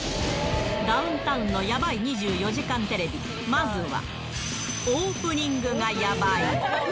ダウンタウンのやばい２４時間テレビ、まずは、オープニングがやばい。